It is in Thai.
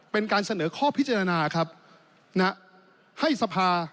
เป็นการเสนอข้อพิจารณา